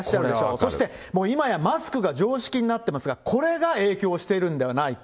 そしてもう今や、マスクが常識になってますが、これが影響しているんではないか。